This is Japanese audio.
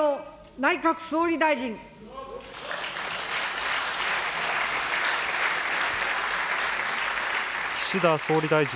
内閣総理大臣。